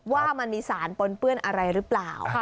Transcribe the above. ว่ามันมีสารปนเปื้อนอะไรหรือเปล่า